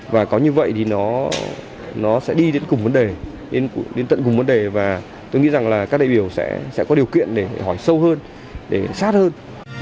và có như vậy thì nó sẽ đi đến tận cùng vấn đề và tôi nghĩ rằng các đại biểu sẽ có điều kiện để hỏi sâu hơn để sát hơn